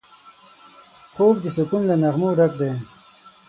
خوب د سکون له نغمو ډک دی